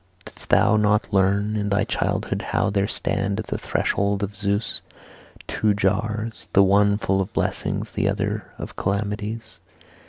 Didst thou not learn in thy childhood how there stand at the threshold of Zeus 'two jars,' 'the one full of blessings, the other of calamities'?